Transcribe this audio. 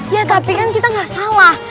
ya tapi kan kita nggak salah